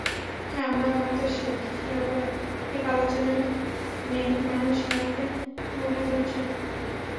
হ্যাঁ, আমরা হয়তো ঠিক আলোচনায় নেই, মানুষজন সেভাবে গোনায়ও ধরছে না।